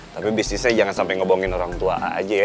tapi bisnisnya jangan sampe ngebongin orang tua aja ya